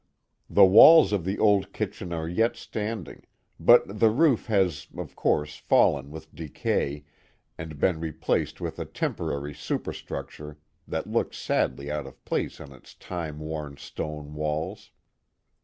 The walls of the old kitchen are yet standing, but the roof has, of course, fal len with decay and been replaced with a temporary superstruc ture that looks sadly out of place on its time worn stone walls.